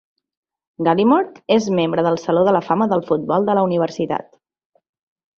Galimore és membre del Saló de la Fama del Futbol de la Universitat.